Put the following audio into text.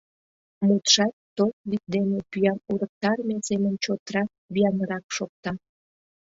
Мутшат ток вӱд дене пӱям урыктарыме семын чотрак, виянрак шокта: